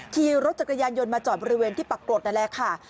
ขี่รถจักรยานยนต์มาจอดบริเวณที่ปรากฏนั่นแหละค่ะ